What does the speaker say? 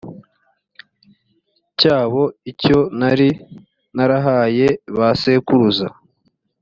cyabo icyo nari narahaye ba sekuruza